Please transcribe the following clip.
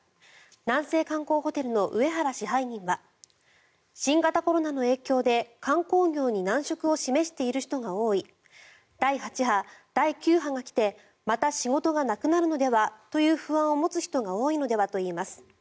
南西観光ホテルの上原支配人は新型コロナの影響で、観光業に難色を示している人が多い第８波、第９波が来てまた仕事がなくなるのではという不安を持つ人が多いのではといいます。